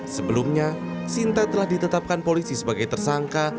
sebelumnya sinta telah ditetapkan polisi sebagai tersangka